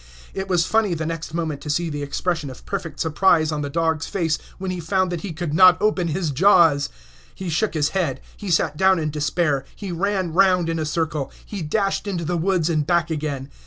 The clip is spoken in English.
It was funny the next moment to see the expression of perfect surprise on the dog's face when he found that he could not open his jaws. He shook his head; he sat down in despair; he ran round in a circle; he dashed into the woods and back again.